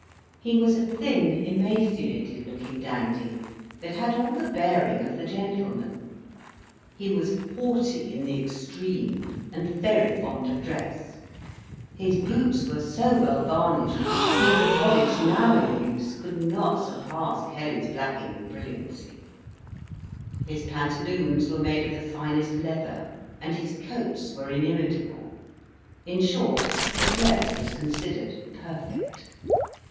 He was a thin, emaciated looking dandy, but had all the bearing of the gentleman. He was haughty in the extreme, and very fond of dress; his boots were so well varnished that the polish now in use could not surpass Kelly's blacking in brilliancy; his pantaloons were made of the finest leather, and his coats were inimitable: in short, his dress was considered perfect.